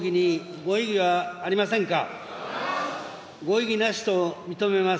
ご異議なしと認めます。